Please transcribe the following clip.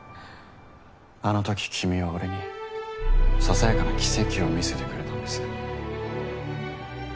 あのとき君は俺にささやかな奇跡を見せてくれたんです。